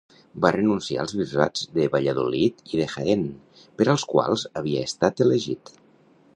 Va renunciar als bisbats de Valladolid i de Jaén, per als quals havia estat elegit.